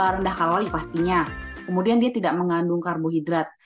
rendah kalori pastinya kemudian dia tidak mengandung karbohidrat